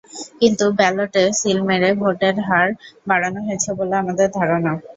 কিন্তু ব্যালটে সিল মেরে ভোটের হার বাড়ানো হয়েছে বলে আমাদের ধারণা।